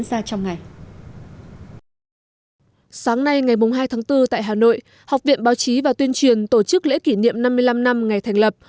sáng nay ngày bốn hai bốn tại hà nội học viện báo chí và tuyên truyền tổ chức lễ kỷ niệm năm mươi năm năm ngày thành lập một nghìn chín trăm sáu mươi hai hai nghìn một mươi bảy